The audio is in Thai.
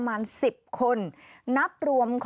ฟังเสียงลูกจ้างรัฐตรเนธค่ะ